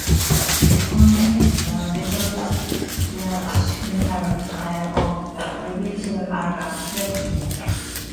It continues the retro thrash metal style of the previous album, "Requiem".